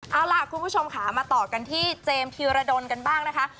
เอาล่ะคุณผู้ชมค่ะมาต่อกันที่เจมส์ธีรดลกันบ้างนะคะ